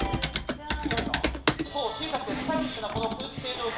そう、小さくてスタイリッシュなこの空気清浄機。